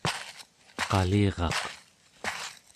qaliraq